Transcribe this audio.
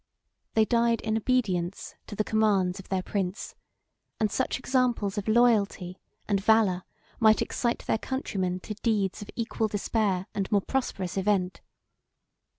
They died in obedience to the commands of their prince; and such examples of loyalty and valor might excite their countrymen to deeds of equal despair and more prosperous event.